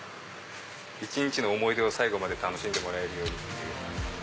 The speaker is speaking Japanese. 一日の思い出を最後まで楽しんでもらえるように。